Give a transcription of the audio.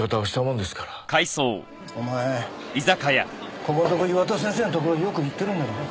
お前ここんとこ岩田先生のところによく行ってるんだろ？